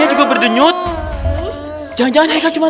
pakai kao tidak tahu bahwa padaku sudah berhasil bernafas